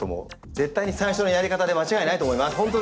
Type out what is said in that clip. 絶対に最初のやり方で間違いないと思います。